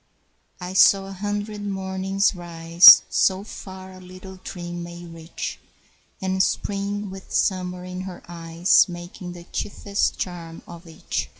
I saw a hundred mornings rise, So far a little dream may reach, And Spring with Summer in her eyes Making the chiefest charm of each.